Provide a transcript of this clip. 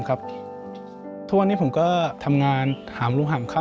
ทุกวันที่ผมก็ทำงานหามลุ่มหาร์ม